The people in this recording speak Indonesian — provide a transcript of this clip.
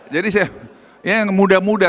jadi saya yang muda muda